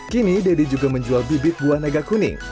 kini deddy juga menjual bibit buah naga kuning